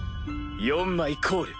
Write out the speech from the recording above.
４枚コール！